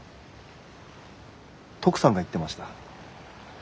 トクさんが言ってました。